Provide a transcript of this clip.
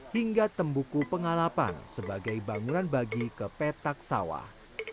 hingga tembuku pengalapan sebagai bangunan bagi ke petak sawah